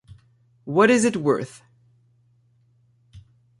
What Is It Worth?